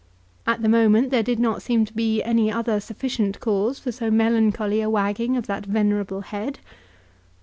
At the moment there did not seem to be any other sufficient cause for so melancholy a wagging of that venerable head.